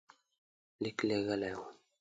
لیک لېږلی وو.